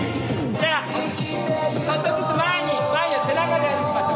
じゃあちょっとずつ前に前へ背中で歩きましょ。